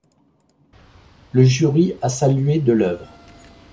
Le jury a salué de l'œuvre.